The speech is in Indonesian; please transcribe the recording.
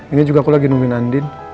ini juga aku lagi nungguin andin